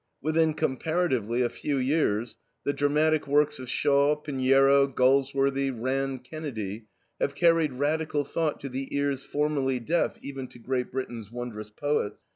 Within comparatively a few years, the dramatic works of Shaw, Pinero, Galsworthy, Rann Kennedy, have carried radical thought to the ears formerly deaf even to Great Britain's wondrous poets.